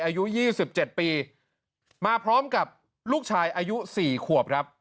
อายุ๒๗ปีมาพร้อมกับลูกชายอายุ๔ขวบครับ